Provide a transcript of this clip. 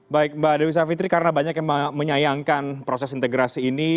baik mbak dewi savitri karena banyak yang menyayangkan proses integrasi ini